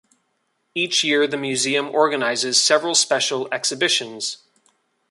Each year the museum organizes several special exhibitions.